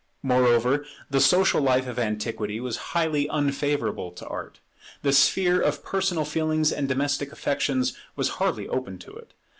Moreover, the social life of antiquity was highly unfavourable to Art. The sphere of personal feelings and domestic affections was hardly open to it.